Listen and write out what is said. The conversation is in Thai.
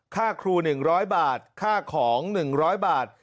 ค่าครู๑๐๐บาทค่าของ๑๐๐บาท